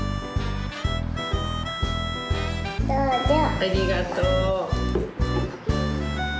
ありがとう。